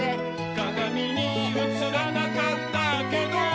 「かがみにうつらなかったけど」